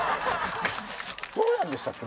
どうやるんでしたっけ？